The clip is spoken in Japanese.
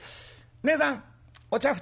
ねえさんお茶２つ。